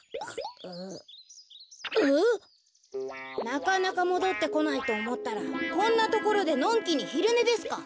なかなかもどってこないとおもったらこんなところでのんきにひるねですか。